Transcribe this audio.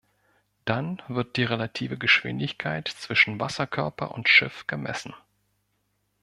Dann wird die relative Geschwindigkeit zwischen Wasserkörper und Schiff gemessen.